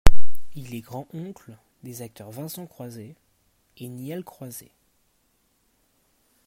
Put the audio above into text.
Il est grands-oncle des acteurs Vincent Croiset et Niels Croiset.